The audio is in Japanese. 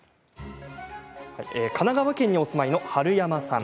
神奈川県にお住まいの春山さん。